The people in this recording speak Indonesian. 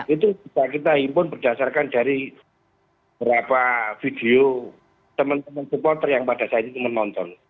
itu bisa kita himpun berdasarkan dari beberapa video teman teman supporter yang pada saat itu menonton